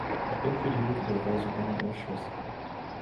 Ich bin für die Rücküberweisung an den Ausschuss.